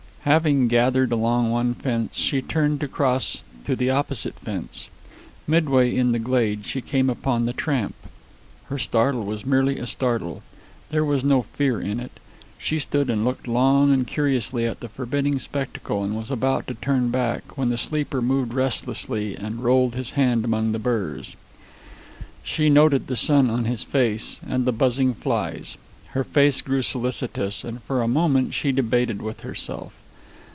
Having gathered along one fence, she turned to cross to the opposite fence. Midway in the glade she came upon the tramp. Her startle was merely a startle. There was no fear in it. She stood and looked long and curiously at the forbidding spectacle, and was about to turn back when the sleeper moved restlessly and rolled his hand among the burrs. She noted the sun on his face, and the buzzing flies; her face grew solicitous, and for a moment she debated with herself.